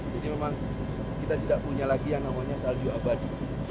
jadi memang kita tidak punya lagi yang namanya salju abadi